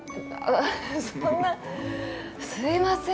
そんなすいません